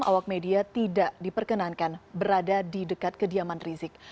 awak media tidak diperkenankan berada di dekat kediaman rizik